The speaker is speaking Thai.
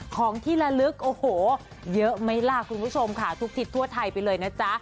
ของที่ละลึกโอ้โหเยอะไหมล่ะคุณผู้ชมค่ะทุกทิศทั่วไทยไปเลยนะจ๊ะ